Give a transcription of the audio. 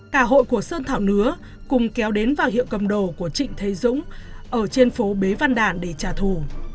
cả hội của sơn thảo nứa cùng kéo đến vào hiệu cầm đồ của trịnh thế dũng ở trên phố bế văn đàn để trả thù